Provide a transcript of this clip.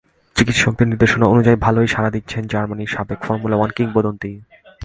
চিকিৎসকদের নির্দেশনা অনুযায়ী ভালোই সাড়া দিচ্ছেন জার্মানির সাবেক ফর্মুলা ওয়ান কিংবদন্তি।